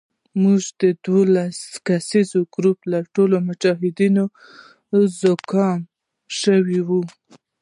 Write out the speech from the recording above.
زموږ په دولس کسیز ګروپ کې ټول مجاهدین زکام شوي وو.